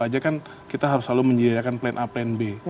ya kita harus selalu menjadikan plan a dan b